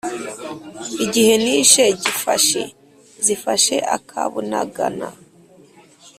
igihe nishe Gifashi zifashe aka Bunagana